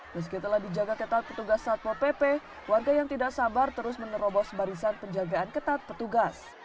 meski telah dijaga ketat petugas satpol pp warga yang tidak sabar terus menerobos barisan penjagaan ketat petugas